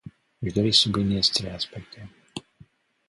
Aș dori să subliniez trei aspecte.